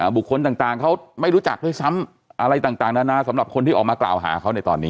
บุคคลต่างเขาไม่รู้จักด้วยซ้ำอะไรต่างนานาสำหรับคนที่ออกมากล่าวหาเขาในตอนนี้